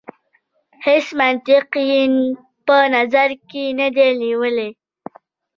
هیڅ منطق یې په نظر کې نه دی نیولی.